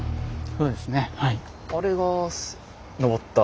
そうです。